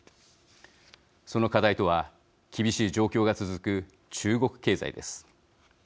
その課題とは厳しい状況が続く中国経済です。